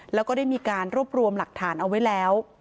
แล้วก็ได้มีการรวบรวมหลักฐานเอาไว้แล้ว